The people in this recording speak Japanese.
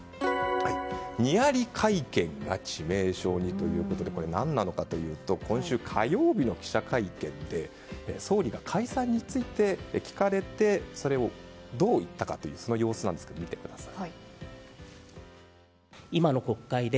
ニヤリ会見が致命傷にということでこれ、何なのかというと今週火曜日の記者会見で総理が解散について聞かれてそれをどう言ったかというその様子ですが、見てください。